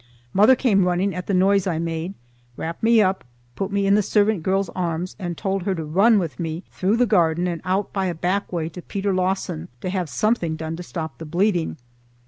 Mother came running at the noise I made, wrapped me up, put me in the servant girl's arms and told her to run with me through the garden and out by a back way to Peter Lawson to have something done to stop the bleeding.